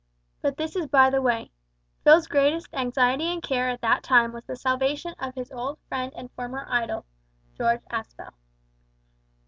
But this is by the way. Phil's greatest anxiety and care at that time was the salvation of his old friend and former idol, George Aspel.